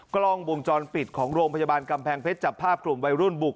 กล้องวงจรปิดของโรงพยาบาลกำแพงเพชรจับภาพกลุ่มวัยรุ่นบุก